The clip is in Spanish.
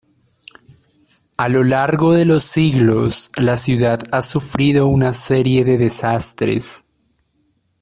A lo largo de los siglos la ciudad ha sufrido una serie de desastres.